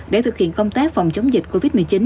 để thực hiện công tác phòng chống dịch covid một mươi chín